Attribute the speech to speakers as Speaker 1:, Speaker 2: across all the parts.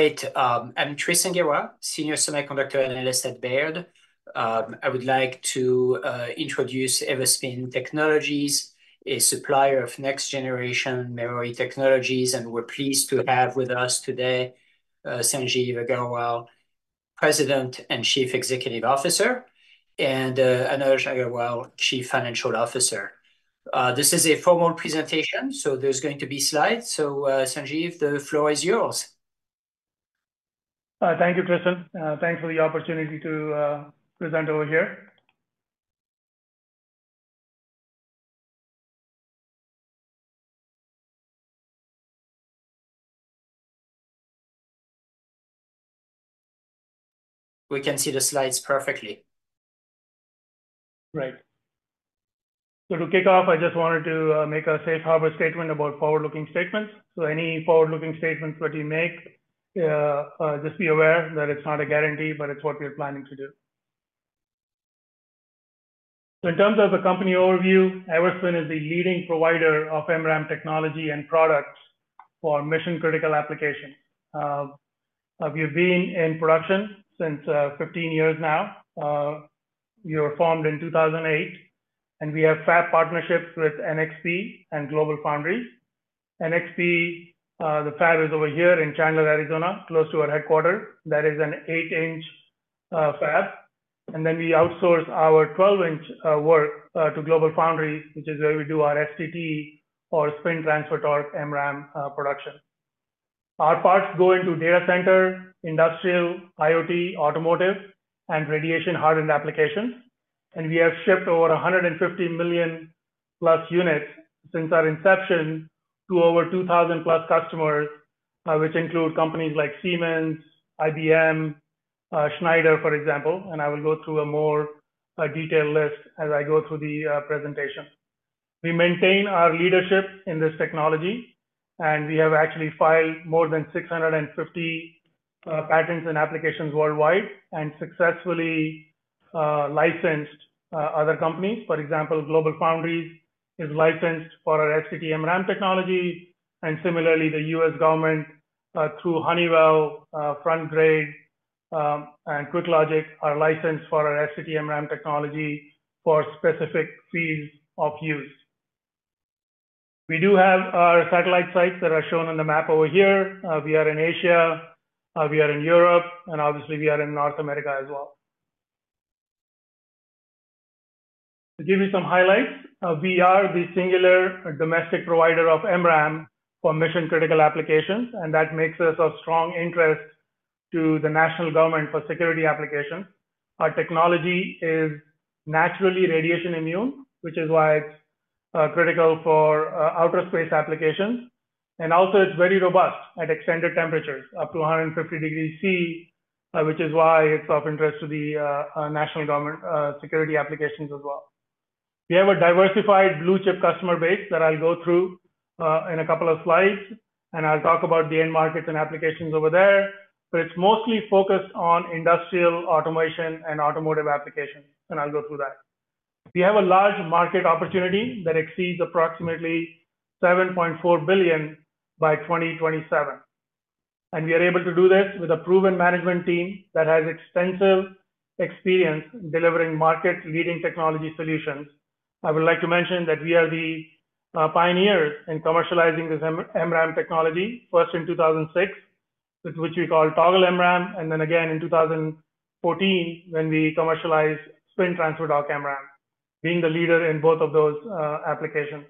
Speaker 1: Great. I'm Tristan Gerra, Senior Semiconductor Analyst at Baird. I would like to introduce Everspin Technologies, a supplier of next-generation memory technologies, and we're pleased to have with us today Sanjeev Aggarwal, President and Chief Executive Officer, and Anuj Aggarwal, Chief Financial Officer. This is a formal presentation, so there's going to be slides. So, Sanjeev, the floor is yours.
Speaker 2: Thank you, Tristan. Thanks for the opportunity to present over here.
Speaker 1: We can see the slides perfectly.
Speaker 2: Great. So to kick off, I just wanted to make a safe harbor statement about forward-looking statements. So any forward-looking statements that you make, just be aware that it's not a guarantee, but it's what we're planning to do. So in terms of the company overview, Everspin is the leading provider of MRAM technology and products for mission-critical applications. We've been in production since 15 years now. We were formed in 2008, and we have fab partnerships with NXP and GlobalFoundries. NXP, the fab is over here in Chandler, Arizona, close to our headquarters. That is an 8-inch fab. And then we outsource our 12-inch work to GlobalFoundries, which is where we do our STT, or spin-transfer-torque, MRAM production. Our parts go into data center, industrial, IoT, automotive, and radiation-hardened applications. We have shipped over 150 million+ units since our inception to over 2,000+ customers, which include companies like Siemens, IBM, Schneider, for example. I will go through a more detailed list as I go through the presentation. We maintain our leadership in this technology, and we have actually filed more than 650 patents and applications worldwide and successfully licensed other companies. For example, GlobalFoundries is licensed for our STT-MRAM technology. And similarly, the U.S. government, through Honeywell, Frontgrade, and QuickLogic, are licensed for our STT-MRAM technology for specific fields of use. We do have our satellite sites that are shown on the map over here. We are in Asia. We are in Europe. And obviously, we are in North America as well. To give you some highlights, we are the singular domestic provider of MRAM for mission-critical applications. That makes us of strong interest to the national government for security applications. Our technology is naturally radiation-immune, which is why it's critical for outer space applications. It's very robust at extended temperatures, up to 150 degrees Celsius, which is why it's of interest to the national government security applications as well. We have a diversified blue-chip customer base that I'll go through in a couple of slides. I'll talk about the end markets and applications over there. But it's mostly focused on industrial automation and automotive applications. I'll go through that. We have a large market opportunity that exceeds approximately $7.4 billion by 2027. We are able to do this with a proven management team that has extensive experience delivering market-leading technology solutions. I would like to mention that we are the pioneers in commercializing this MRAM technology, first in 2006, with which we called Toggle MRAM, and then again in 2014 when we commercialized spin-transfer-torque MRAM, being the leader in both of those applications.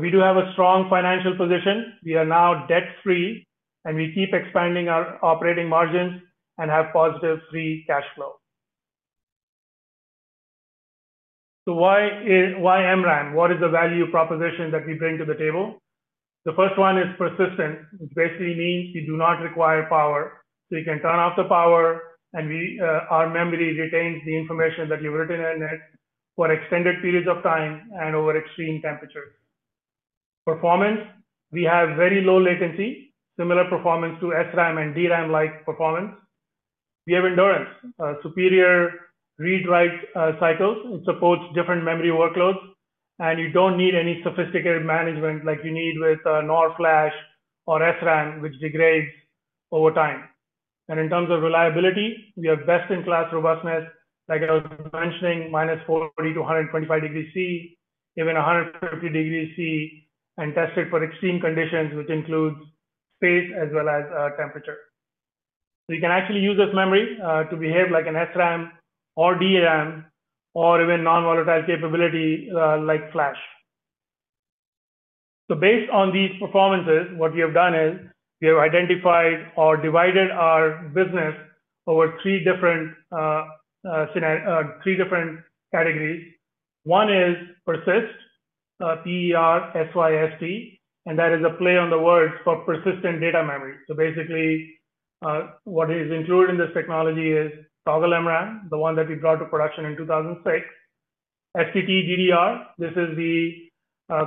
Speaker 2: We do have a strong financial position. We are now debt-free. We keep expanding our operating margins and have positive free cash flow. So why, why MRAM? What is the value proposition that we bring to the table? The first one is persistent, which basically means we do not require power. So you can turn off the power, and our memory retains the information that you've written in it for extended periods of time and over extreme temperatures. Performance, we have very low latency, similar performance to SRAM and DRAM-like performance. We have endurance, superior read-write cycles. It supports different memory workloads. And you don't need any sophisticated management like you need with NOR Flash or SRAM, which degrades over time. And in terms of reliability, we have best-in-class robustness. Like I was mentioning, -40 to 125 degrees Celsius, even 150 degrees Celsius, and tested for extreme conditions, which includes space as well as temperature. So you can actually use this memory to behave like an SRAM or DRAM or even non-volatile capability like flash. So based on these performances, what we have done is we have identified or divided our business over three different categories. One is PERSYST. And that is a play on the words for persistent data memory. So basically, what is included in this technology is Toggle MRAM, the one that we brought to production in 2006. STT DDR, this is the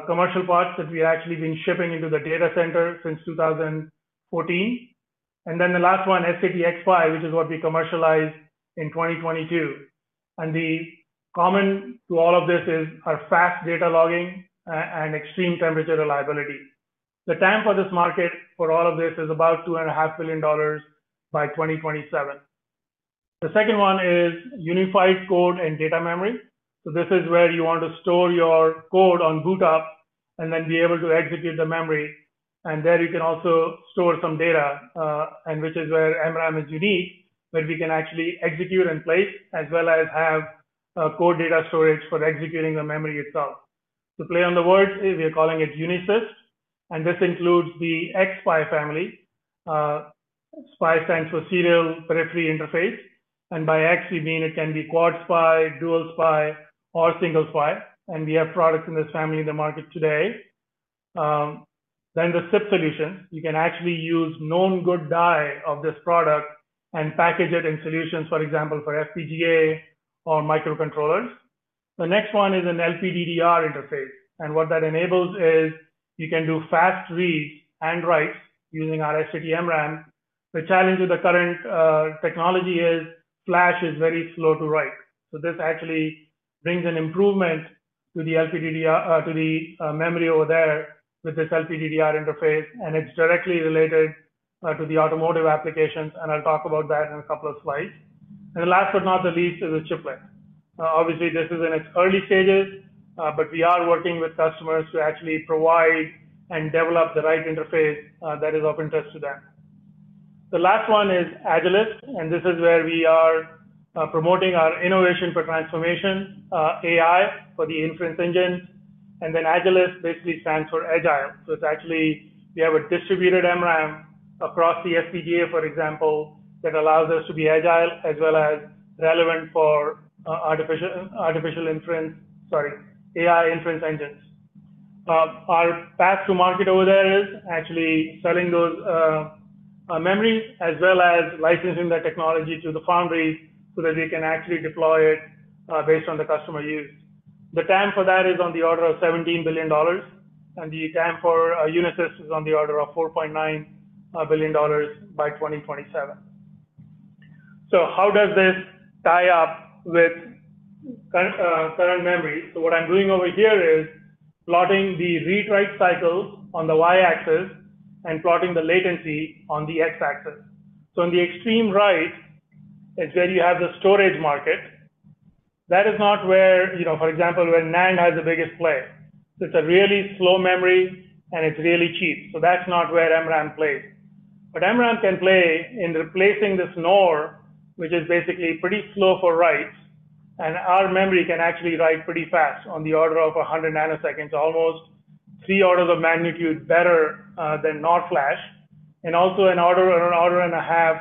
Speaker 2: commercial parts that we've actually been shipping into the data center since 2014. And then the last one, STT X5, which is what we commercialized in 2022. And the common to all of this is our fast data logging, and extreme temperature reliability. The time for this market for all of this is about $2.5 billion by 2027. The second one is unified code and data memory. So this is where you want to store your code on bootup and then be able to execute the memory. And there you can also store some data, and which is where MRAM is unique, where we can actually execute in place as well as have code data storage for executing the memory itself. The play on the words is we are calling it UNISYS. And this includes the xSPI family. xSPI stands for Serial Peripheral Interface. And by xSPI, we mean it can be quad-SPI, dual-SPI, or single-SPI. And we have products in this family in the market today. Then the SIP solution, you can actually use known good die of this product and package it in solutions, for example, for FPGA or microcontrollers. The next one is an LPDDR interface. And what that enables is you can do fast reads and writes using our STT-MRAM. The challenge with the current technology is flash is very slow to write. So this actually brings an improvement to the LPDDR, to the memory over there with this LPDDR interface. And it's directly related to the automotive applications. And I'll talk about that in a couple of slides. And last but not the least is a chiplet. Obviously, this is in its early stages, but we are working with customers to actually provide and develop the right interface that is of interest to them. The last one is AgILYST. And this is where we are promoting our innovation for transformation, AI for the inference engine. And then AgILYST basically stands for agile. So it's actually we have a distributed MRAM across the FPGA, for example, that allows us to be agile as well as relevant for artificial intelligence inference, sorry, AI inference engines. Our path to market over there is actually selling those memories as well as licensing the technology to the foundry so that we can actually deploy it based on the customer use. The TAM for that is on the order of $17 billion. And the TAM for UNISYS is on the order of $4.9 billion by 2027. So how does this tie up with current memory? So what I'm doing over here is plotting the read-write cycle on the Y-axis and plotting the latency on the X-axis. So on the extreme right is where you have the storage market. That is not where, you know, for example, where NAND has the biggest play. So it's a really slow memory, and it's really cheap. So that's not where MRAM plays. But MRAM can play in replacing this NOR, which is basically pretty slow for writes. And our memory can actually write pretty fast on the order of 100 nanoseconds, almost three orders of magnitude better than NOR Flash, and also an order and a half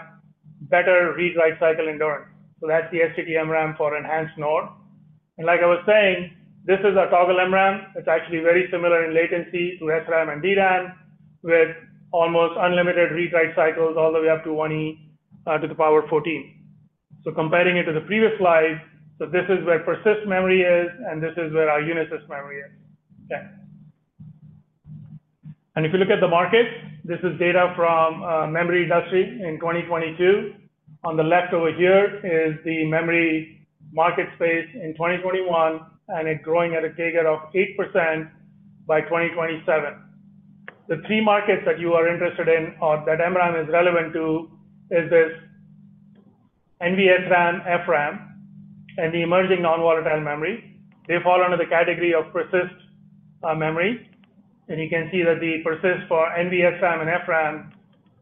Speaker 2: better read-write cycle endurance. So that's the STT MRAM for enhanced NOR. And like I was saying, this is a Toggle MRAM. It's actually very similar in latency to SRAM and DRAM with almost unlimited read-write cycles all the way up to 10^14. So comparing it to the previous slide, so this is where persistent memory is, and this is where our UNISYS memory is. Okay. And if you look at the market, this is data from memory industry in 2022. On the left over here is the memory market space in 2021 and it growing at a CAGR of 8% by 2027. The three markets that you are interested in or that MRAM is relevant to is this NVSRAM, FRAM, and the emerging non-volatile memory. They fall under the category of persistent memory. And you can see that the persistent for NVSRAM and FRAM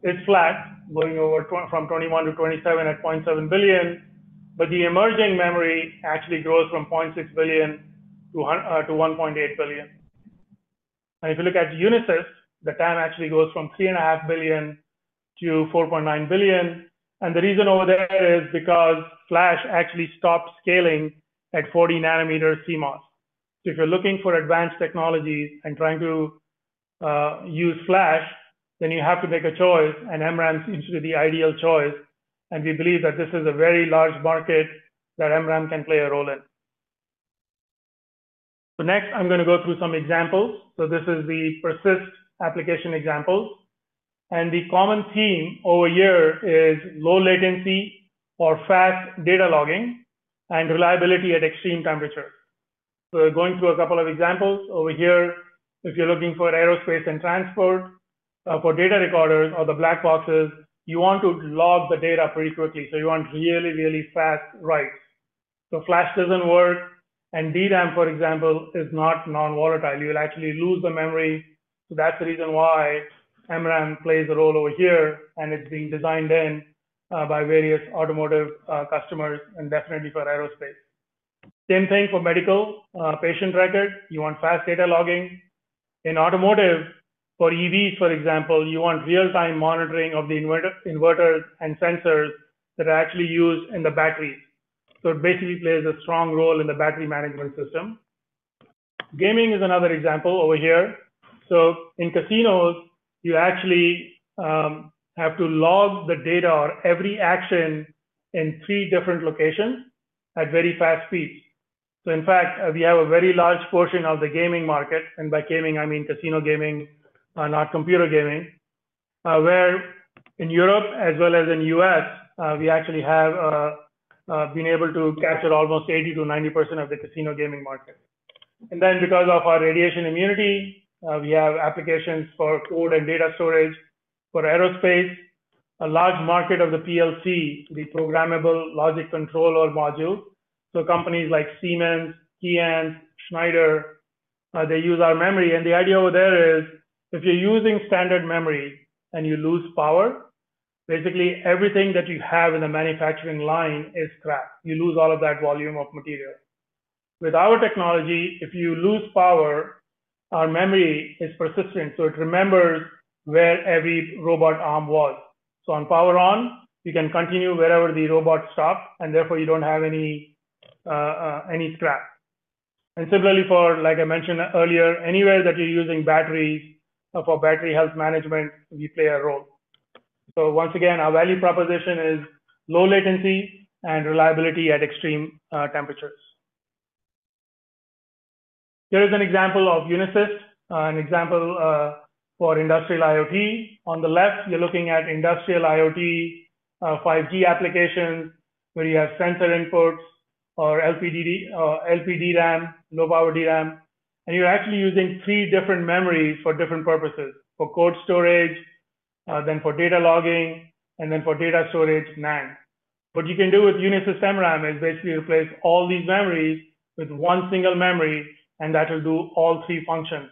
Speaker 2: is flat, going over 2020 from 2021-2027 at $0.7 billion. But the emerging memory actually grows from 0.6 billion to 1 billion to 1.8 billion. If you look at UNISYS, the time actually goes from 3.5 billion to 4.9 billion. The reason over there is because flash actually stopped scaling at 40 nm CMOS. If you're looking for advanced technologies and trying to use flash, then you have to make a choice. MRAM seems to be the ideal choice. We believe that this is a very large market that MRAM can play a role in. Next, I'm going to go through some examples. This is the PERSYST application examples. The common theme over here is low latency or fast data logging and reliability at extreme temperatures. We're going through a couple of examples. Over here, if you're looking for aerospace and transport, for data recorders or the black boxes, you want to log the data pretty quickly. So you want really, really fast writes. So flash doesn't work. And DRAM, for example, is not non-volatile. You'll actually lose the memory. So that's the reason why MRAM plays a role over here. And it's being designed in by various automotive customers and definitely for aerospace. Same thing for medical patient record. You want fast data logging. In automotive, for EVs, for example, you want real-time monitoring of the inverters and sensors that are actually used in the batteries. So it basically plays a strong role in the battery management system. Gaming is another example over here. So in casinos, you actually have to log the data or every action in three different locations at very fast speeds. So in fact, we have a very large portion of the gaming market. And by gaming, I mean casino gaming, not computer gaming, where in Europe as well as in the U.S., we actually have been able to capture almost 80%-90% of the casino gaming market. And then because of our radiation immunity, we have applications for code and data storage for aerospace, a large market of the PLC, the Programmable Logic Controller Module. So companies like Siemens, Keyence, Schneider, they use our memory. And the idea over there is if you're using standard memory and you lose power, basically, everything that you have in the manufacturing line is crap. You lose all of that volume of material. With our technology, if you lose power, our memory is persistent. So it remembers where every robot arm was. So on power on, you can continue wherever the robot stopped. And therefore, you don't have any, any scrap. And similarly for, like I mentioned earlier, anywhere that you're using batteries, for battery health management, we play a role. So once again, our value proposition is low latency and reliability at extreme temperatures. Here is an example of UNISYS, an example, for industrial IoT. On the left, you're looking at industrial IoT, 5G applications where you have sensor inputs or LPDDR or LPDDRAM, low-power DRAM. And you're actually using three different memories for different purposes, for code storage, then for data logging, and then for data storage, NAND. What you can do with UNISYS MRAM is basically replace all these memories with one single memory. And that will do all three functions.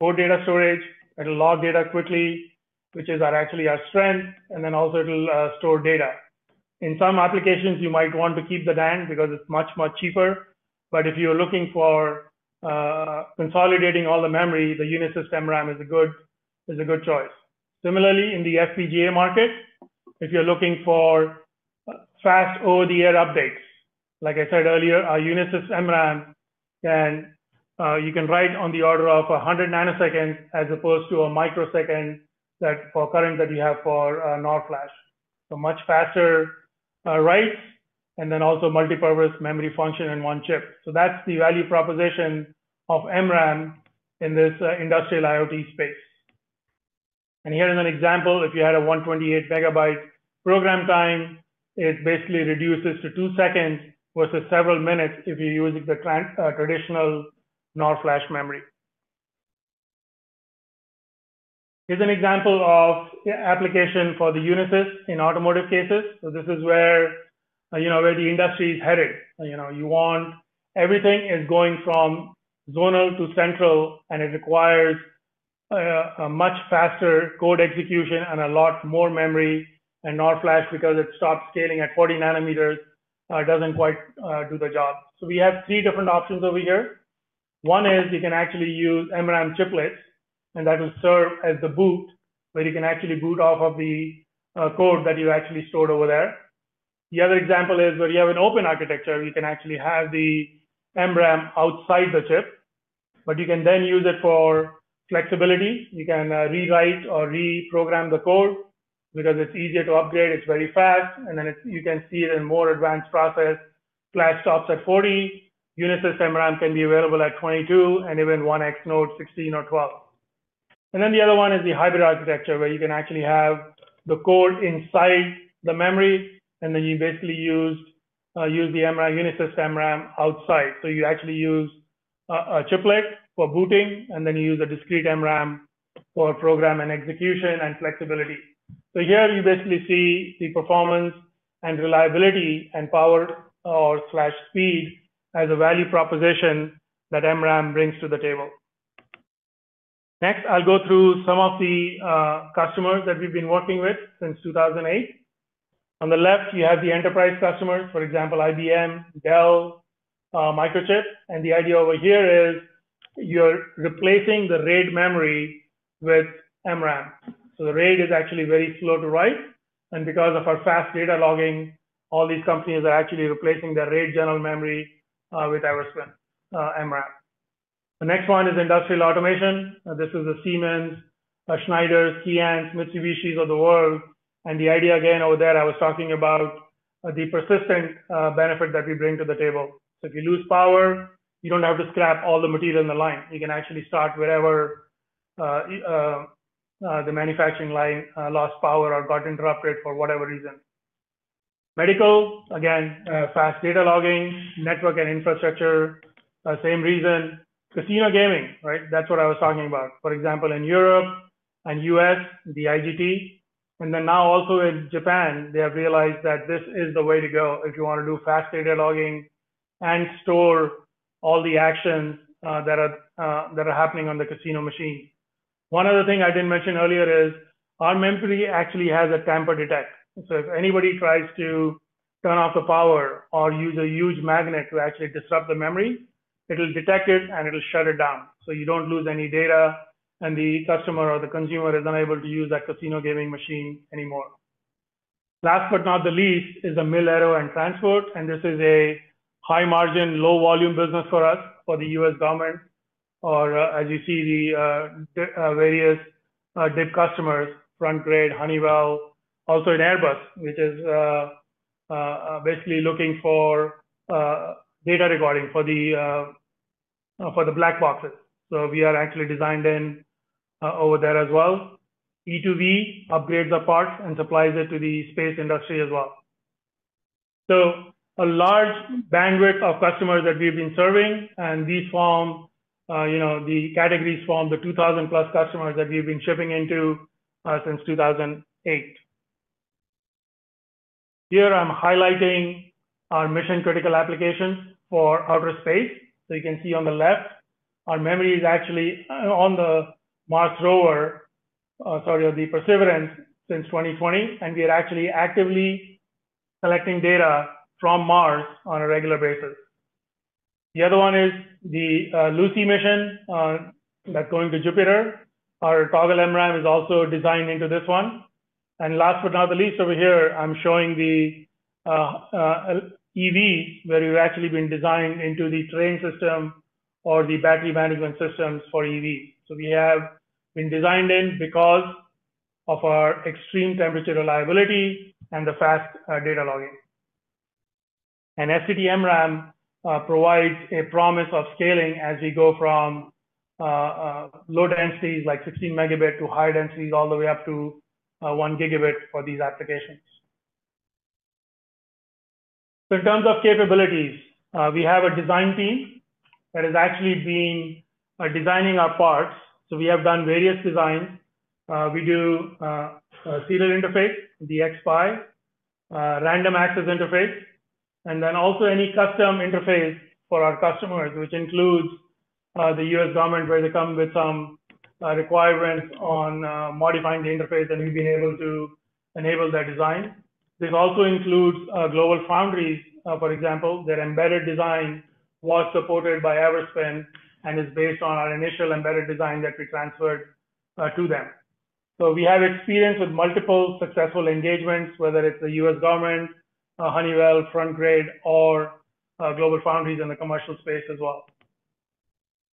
Speaker 2: For data storage, it'll log data quickly, which is actually our strength. And then also, it'll, store data. In some applications, you might want to keep the NAND because it's much, much cheaper. But if you're looking for consolidating all the memory, the UNISYS MRAM is a good is a good choice. Similarly, in the FPGA market, if you're looking for fast over-the-air updates, like I said earlier, our UNISYS MRAM can, you can write on the order of 100 nanoseconds as opposed to a microsecond that for current that you have for NOR Flash. So much faster writes and then also multipurpose memory function in one chip. So that's the value proposition of MRAM in this industrial IoT space. Here is an example. If you had a 128 MB program time, it basically reduces to 2 seconds versus several minutes if you're using the traditional NOR Flash memory. Here's an example of application for the UNISYS in automotive cases. So this is where, you know, where the industry is headed. You know, you want everything is going from zonal to central. And it requires a much faster code execution and a lot more memory. And NOR Flash, because it stops scaling at 40 nm, doesn't quite do the job. So we have three different options over here. One is you can actually use MRAM chiplets. And that will serve as the boot where you can actually boot off of the code that you actually stored over there. The other example is where you have an open architecture. You can actually have the MRAM outside the chip. But you can then use it for flexibility. You can rewrite or reprogram the code because it's easier to upgrade. It's very fast. And then it's you can see it in a more advanced process. Flash stops at 40. UNISYS MRAM can be available at 22 and even 1X node 16 or 12. Then the other one is the hybrid architecture where you can actually have the code inside the memory. Then you basically use the MRAM UNISYS MRAM outside. So you actually use a chiplet for booting. Then you use a discrete MRAM for program and execution and flexibility. So here, you basically see the performance and reliability and power or slash speed as a value proposition that MRAM brings to the table. Next, I'll go through some of the customers that we've been working with since 2008. On the left, you have the enterprise customers, for example, IBM, Dell, Microchip. The idea over here is you're replacing the RAID memory with MRAM. So the RAID is actually very slow to write. Because of our fast data logging, all these companies are actually replacing their RAID general memory with Everspin MRAM. The next one is industrial automation. This is the Siemens, Schneiders, Keyence, Mitsubishis of the world. The idea, again, over there, I was talking about, the persistent benefit that we bring to the table. If you lose power, you don't have to scrap all the material in the line. You can actually start wherever the manufacturing line lost power or got interrupted for whatever reason. Medical, again, fast data logging, network and infrastructure, same reason. Casino gaming, right? That's what I was talking about. For example, in Europe and U.S., the IGT. Then now also in Japan, they have realized that this is the way to go if you want to do fast data logging and store all the actions that are happening on the casino machine. One other thing I didn't mention earlier is our memory actually has a tamper detection. So if anybody tries to turn off the power or use a huge magnet to actually disrupt the memory, it'll detect it, and it'll shut it down. So you don't lose any data. And the customer or the consumer is unable to use that casino gaming machine anymore. Last but not the least is the military, aero, and transport. This is a high-margin, low-volume business for us, for the U.S. government. Or, as you see, the various DIB customers, Frontgrade, Honeywell, also in Airbus, which is basically looking for data recording for the black boxes. So we are actually designed in over there as well. e2v upgrades our parts and supplies it to the space industry as well. So a large bandwidth of customers that we've been serving. And these form, you know, the categories form the 2,000+ customers that we've been shipping into since 2008. Here, I'm highlighting our mission-critical applications for outer space. So you can see on the left, our memory is actually on the Mars rover, sorry, or the Perseverance since 2020. And we are actually actively collecting data from Mars on a regular basis. The other one is the Lucy mission, that's going to Jupiter. Our Toggle MRAM is also designed into this one. And last but not the least, over here, I'm showing the EVs where we've actually been designed into the train system or the battery management systems for EVs. So we have been designed in because of our extreme temperature reliability and the fast data logging. And STT-MRAM provides a promise of scaling as we go from low densities like 16 Mb to high densities all the way up to 1 gigabit for these applications. So in terms of capabilities, we have a design team that has actually been designing our parts. So we have done various designs. We do a serial interface, the xSPI, random access interface, and then also any custom interface for our customers, which includes the U.S. government where they come with some requirements on modifying the interface. And we've been able to enable that design. This also includes GlobalFoundries, for example. Their embedded design was supported by Everspin and is based on our initial embedded design that we transferred to them. So we have experience with multiple successful engagements, whether it's the U.S. government, Honeywell, Frontgrade, or GlobalFoundries in the commercial space as well.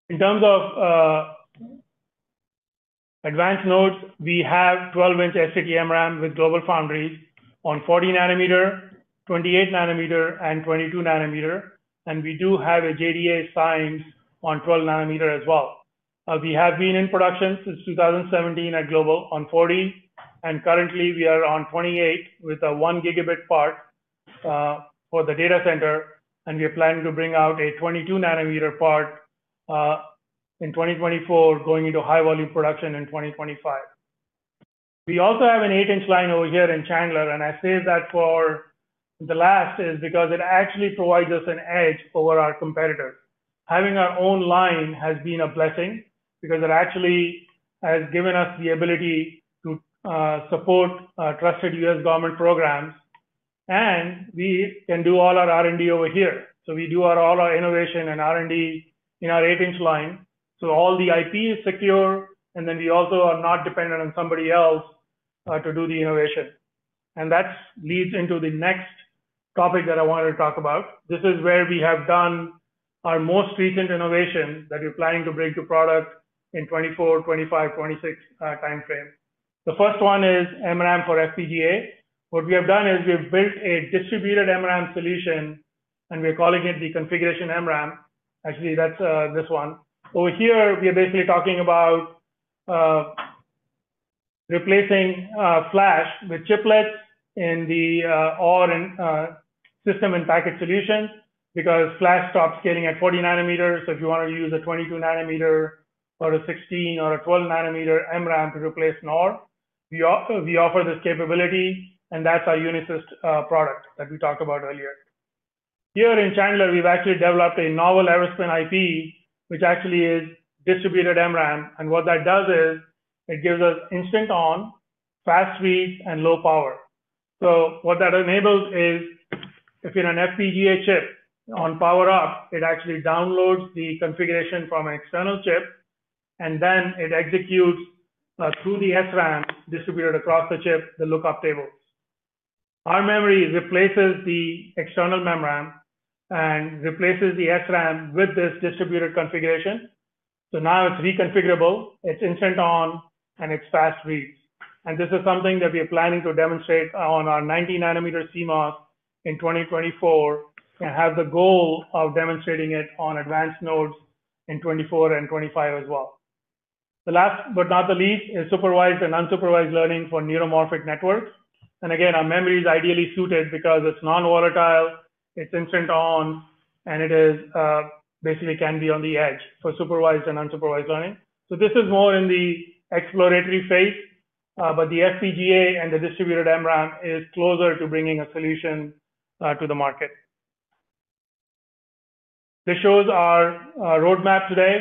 Speaker 2: In terms of advanced nodes, we have 12-inch STT-MRAM with GlobalFoundries on 40 nm, 28 nm, and 22 nm. And we do have a JDA signed on 12nm as well. We have been in production since 2017 at GlobalFoundries on 40. And currently, we are on 28 with a 1-gigabit part for the data center. And we are planning to bring out a 22 nm part in 2024, going into high-volume production in 2025. We also have an 8-inch line over here in Chandler. And I say that for the last is because it actually provides us an edge over our competitors. Having our own line has been a blessing because it actually has given us the ability to support trusted U.S. government programs. And we can do all our R&D over here. So we do all our innovation and R&D in our 8-inch line. So all the IP is secure. And then we also are not dependent on somebody else to do the innovation. And that leads into the next topic that I wanted to talk about. This is where we have done our most recent innovation that we're planning to bring to product in 2024, 2025, 2026 timeframe. The first one is MRAM for FPGA. What we have done is we've built a distributed MRAM solution. And we're calling it the configuration MRAM. Actually, that's this one. Over here, we are basically talking about replacing Flash with chiplets in the or in system-in-package solution because Flash stops scaling at 40 nm. So if you want to use a 22 nm or a 16 nm or a 12 nm MRAM to replace NOR, we offer we offer this capability. And that's our UNISYS product that we talked about earlier. Here in Chandler, we've actually developed a novel Everspin IP, which actually is distributed MRAM. And what that does is it gives us instant-on, fast reads, and low power. So what that enables is if you're an FPGA chip, on power up, it actually downloads the configuration from an external chip. And then it executes through the SRAM distributed across the chip, the lookup tables. Our memory replaces the external memory RAM and replaces the SRAM with this distributed configuration. So now it's reconfigurable. It's instant-on. And it's fast reads. This is something that we are planning to demonstrate on our 90 nm CMOS in 2024 and have the goal of demonstrating it on advanced nodes in 2024 and 2025 as well. The last but not the least is supervised and unsupervised learning for neuromorphic networks. Again, our memory is ideally suited because it's non-volatile. It's instant-on. And it is basically can be on the edge for supervised and unsupervised learning. So this is more in the exploratory phase, but the FPGA and the distributed MRAM is closer to bringing a solution to the market. This shows our roadmap today,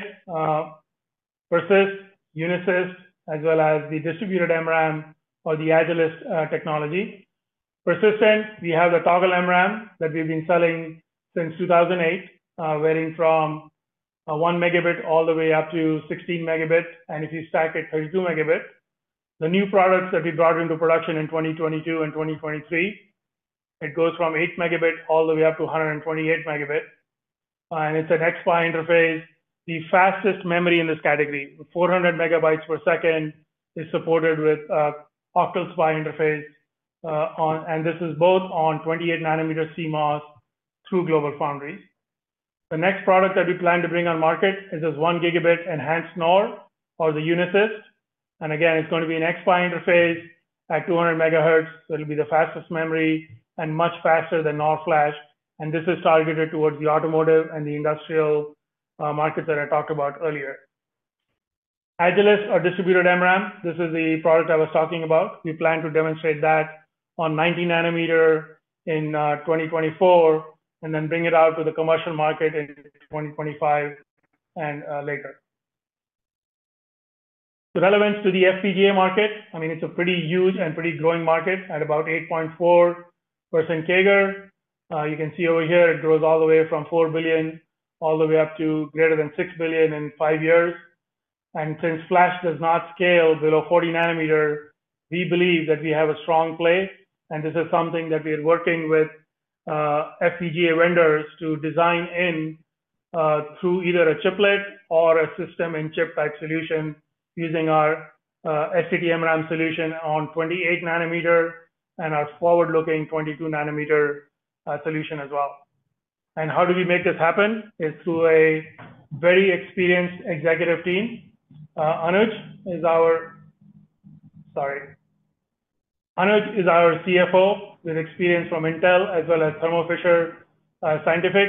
Speaker 2: PERSYST, UNISYS, as well as the distributed MRAM or the AgILYST technology. PERSYST, we have the Toggle MRAM that we've been selling since 2008, varying from 1 Mb all the way up to 16 Mb. And if you stack it, 32 Mb. The new products that we brought into production in 2022 and 2023, it goes from 8 Mb all the way up to 128 Mb. And it's an xSPI interface, the fastest memory in this category. 400 MB/s is supported with octal SPI interface, and this is both on 28 nm CMOS through GlobalFoundries. The next product that we plan to bring on market is this 1 Gb enhanced NOR or the UNISYS. And again, it's going to be an xSPI interface at 200 MHz. It'll be the fastest memory and much faster than NOR Flash. And this is targeted towards the automotive and the industrial markets that I talked about earlier. AgILYST or distributed MRAM, this is the product I was talking about. We plan to demonstrate that on 90 nm in 2024 and then bring it out to the commercial market in 2025 and later. So, relevance to the FPGA market—I mean, it's a pretty huge and pretty growing market at about 8.4% CAGR. You can see over here, it grows all the way from $4 billion all the way up to greater than $6 billion in five years. Since Flash does not scale below 40 nm, we believe that we have a strong play. This is something that we are working with FPGA vendors to design in, through either a chiplet or a system-on-chip type solution using our STT-MRAM solution on 28 nm and our forward-looking 22 nm solution as well. How do we make this happen is through a very experienced executive team. Anuj is our CFO with experience from Intel as well as Thermo Fisher Scientific.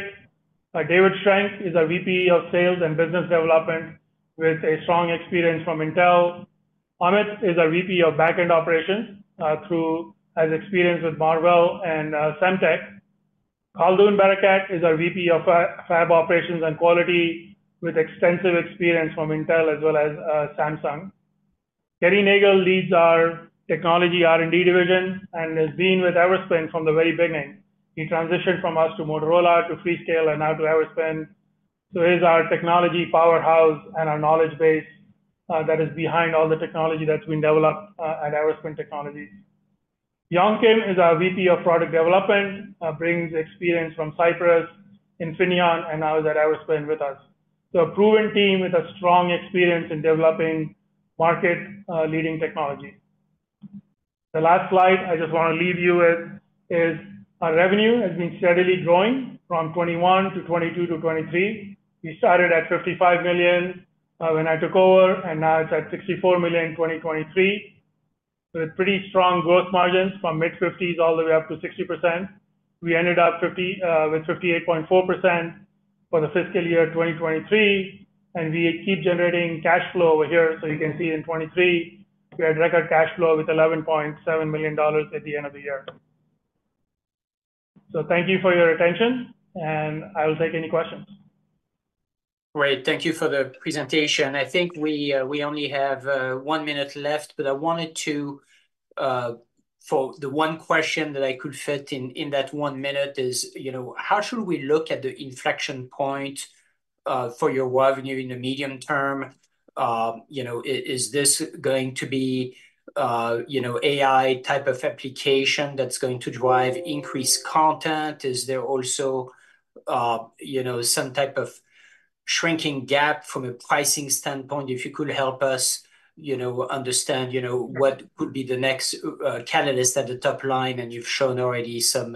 Speaker 2: David Schrenk is our VP of Sales and Business Development with a strong experience from Intel. Amit is our VP of Backend Operations, who has experience with Marvell and Semtech. Khaldoun Barakat is our VP of Fab Operations and Quality with extensive experience from Intel as well as Samsung. Kerry Nagel leads our technology R&D division and has been with Everspin from the very beginning. He transitioned from us to Motorola to Freescale and now to Everspin. So he's our technology powerhouse and our knowledge base that is behind all the technology that's been developed at Everspin Technologies. Yong Kim is our VP of Product Development, brings experience from Cypress, Infineon, and now is at Everspin with us. So a proven team with a strong experience in developing market-leading technology. The last slide I just want to leave you with is our revenue has been steadily growing from 2021 to 2022 to 2023. We started at $55 million, when I took over. And now it's at $64 million in 2023 with pretty strong growth margins from mid-50s all the way up to 60%. We ended up 50, with 58.4% for the fiscal year 2023. And we keep generating cash flow over here. So you can see in 2023, we had record cash flow with $11.7 million at the end of the year. So thank you for your attention. And I will take any questions.
Speaker 1: Great. Thank you for the presentation. I think we only have one minute left. But I wanted to, for the one question that I could fit in in that one minute, is, you know, how should we look at the inflection point for your revenue in the medium term? You know, is this going to be, you know, AI type of application that's going to drive increased content? Is there also, you know, some type of shrinking gap from a pricing standpoint if you could help us, you know, understand, you know, what could be the next catalyst at the top line? And you've shown already some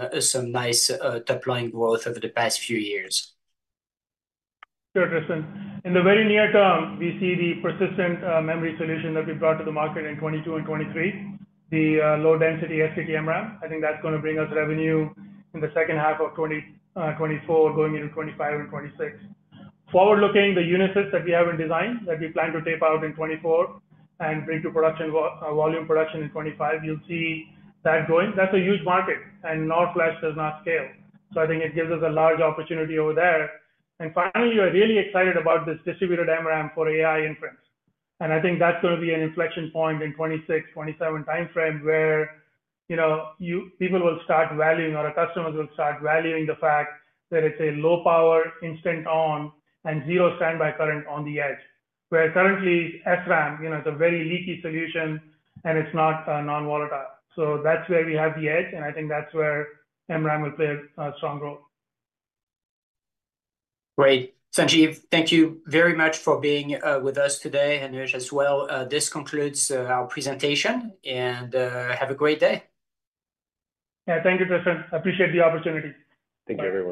Speaker 1: nice top-line growth over the past few years.
Speaker 2: Sure, Tristan. In the very near term, we see the persistent memory solution that we brought to the market in 2022 and 2023, the low-density STT-MRAM. I think that's going to bring us revenue in the second half of 2024, going into 2025 and 2026. Forward-looking, the UNISYS that we have in design that we plan to tape out in 2024 and bring to production, volume production in 2025, you'll see that growing. That's a huge market. And NOR Flash does not scale. So I think it gives us a large opportunity over there. And finally, we are really excited about this distributed MRAM for AI inference. I think that's going to be an inflection point in 2026, 2027 time frame where, you know, you people will start valuing or our customers will start valuing the fact that it's a low power, instant-on, and zero standby current on the edge where currently, SRAM, you know, it's a very leaky solution. It's not non-volatile. That's where we have the edge. I think that's where MRAM will play a, a strong role.
Speaker 1: Great. Sanjeev, thank you very much for being with us today. Anuj as well. This concludes our presentation. Have a great day.
Speaker 2: Yeah. Thank you, Tristan. Appreciate the opportunity.
Speaker 3: Thank you, everyone.